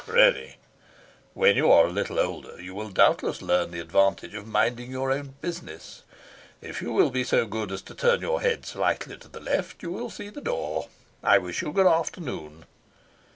"Really. When you are a little older you will doubtless learn the advantage of minding your own business. If you will be so good as to turn your head slightly to the left, you will see the door. I wish you good afternoon."